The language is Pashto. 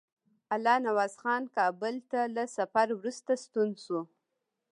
الله نواز خان کابل ته له سفر وروسته ستون شو.